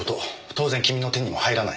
当然君の手にも入らない。